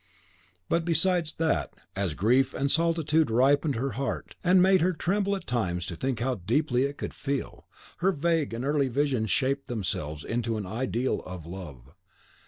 But besides that, as grief and solitude ripened her heart, and made her tremble at times to think how deeply it could feel, her vague and early visions shaped themselves into an ideal of love.